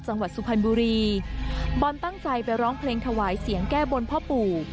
สุพรรณบุรีบอลตั้งใจไปร้องเพลงถวายเสียงแก้บนพ่อปู่